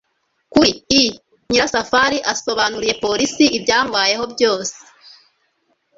kuri i. nyirasafari asobanuriye polisi ibyamubayeho byose